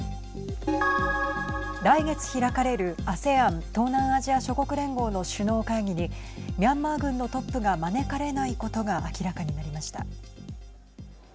来月開かれるＡＳＥＡＮ＝東南アジア諸国連合の首脳会議にミャンマー軍のトップが招かれないことが明らかになりました。